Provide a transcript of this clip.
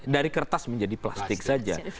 dari kertas menjadi plastik saja